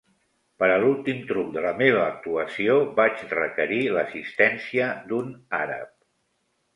«Per a l'últim truc de la meva actuació vaig requerir l'assistència d'un àrab.